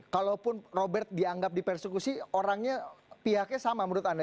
kalaupun robert dianggap dipersekusi orangnya pihaknya sama menurut anda